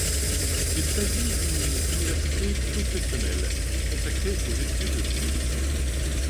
Il s'agit d'une université confessionnelle, consacrée aux études juives.